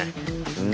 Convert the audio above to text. うん。